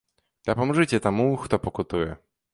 Дапамажыце таму, хто пакутуе.